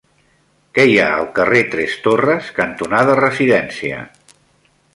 Què hi ha al carrer Tres Torres cantonada Residència?